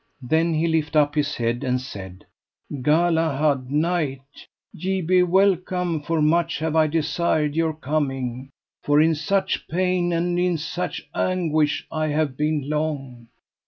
Then he lift up his head, and said: Galahad, Knight, ye be welcome, for much have I desired your coming, for in such pain and in such anguish I have been long.